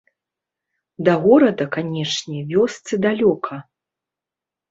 Да горада, канечне, вёсцы далёка.